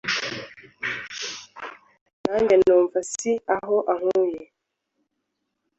nanjye numva si aho ankuye